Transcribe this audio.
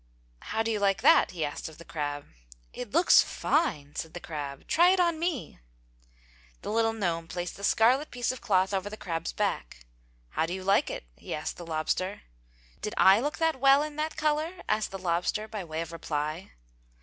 "How do you like that?" he asked of the crab. "It looks fine!" said the crab. "Try it on me!" The little gnome placed the scarlet piece of cloth over the crab's back. "How do you like it?" he asked the lobster. "Did I look that well in that color?" asked the lobster by way of reply.